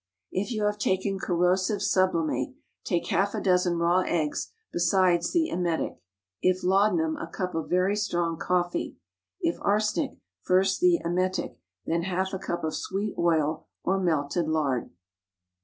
If you have taken corrosive sublimate take half a dozen raw eggs besides the emetic. If laudanum, a cup of very strong coffee. If arsenic, first the emetic, then half a cup of sweet oil or melted lard.